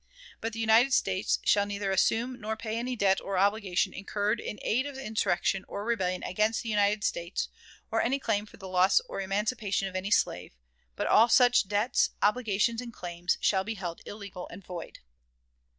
But the United States shall neither assume nor pay any debt or obligation incurred in aid of insurrection or rebellion against the United States, or any claim for the loss or emancipation of any slave; but all such debts, obligations, and claims shall be held illegal and void.